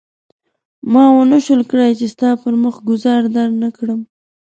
ما ونه شول کړای چې ستا پر مخ ګوزار درنه کړم.